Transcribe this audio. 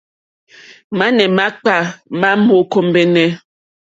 Mane makpà ma mò kombεnε.